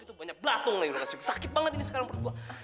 itu banyak belatung lah yang lu ngasih sakit banget ini sekarang perut gua